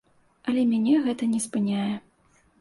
Але мяне гэта не спыняе.